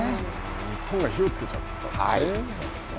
日本が火をつけちゃったんですね。